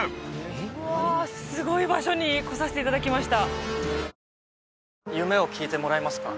うわすごい場所に来させていただきました